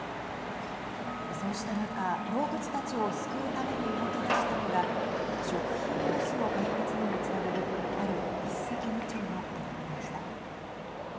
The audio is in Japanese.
そうした中動物たちを救うために動き出したのが食品ロスの解決にもつながるある一石二鳥の取り組みでした。